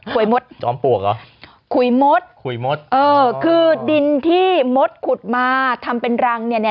ห่วยหมดจอมป่วกอ่ะขุยหมดคุยงบอร์เง้อคือดินที่มศขุดมาทำเป็นนี้